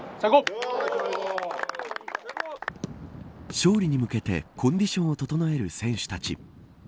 勝利に向けてコンディションを整える選手たち。